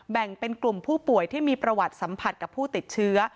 แบ่งเป็นกลุ่มผู้ป่วยที่มีประวัติสัมผัสกับผู้ติดเชื้อ